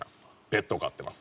ペットを飼ってます。